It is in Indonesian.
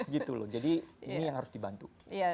gitu loh jadi ini yang harus dibantu